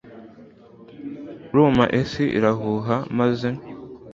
uruma isi arahuha maze